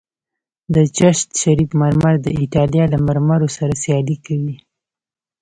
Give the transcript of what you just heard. د چشت شریف مرمر د ایټالیا له مرمرو سره سیالي کوي